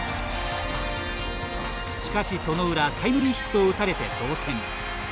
しかし、その裏タイムリーヒットを打たれて同点。